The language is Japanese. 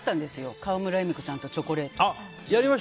川村エミコちゃんとチョコレートを。